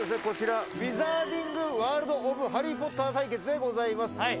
こちらウィザーディング・ワールド・オブ・ハリー・ポッター対決でございます。